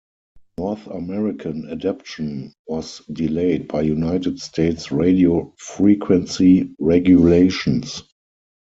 North American adoption was delayed by United States radio frequency regulations.